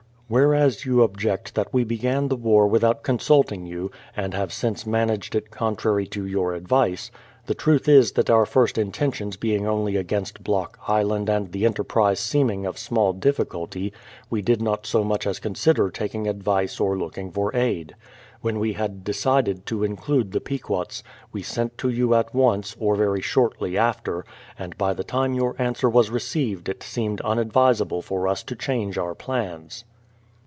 Whereas j'ou object that we began the war without consulting you, and have since managed it contrary to your advice ; the truth is that our first intentions being only against Block Island and the enterprise seeming of small difficulty, we did not so much as consider taking advice or looking for aid. When we had decided to include the Pequots, we sent to you at once, or very shortly after, and by the time your answer was received it seemed unadvisable for us to change our plans.